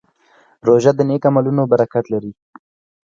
روژه د نیک عملونو برکت لري.